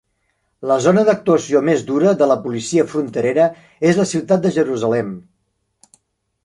La zona d'actuació més dura de la policia fronterera es la ciutat de Jerusalem.